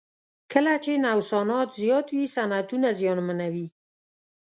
کله چې نوسانات زیات وي صنعتونه زیانمنوي.